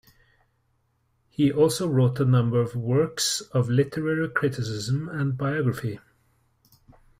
He also wrote a number of works of literary criticism and biography.